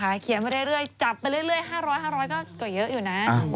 เขียนมาเรื่อยจับไปเรื่อย๕๐๐๕๐๐ก็เยอะอยู่นะ